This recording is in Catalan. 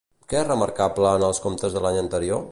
Què és remarcable en els comptes de l'any anterior?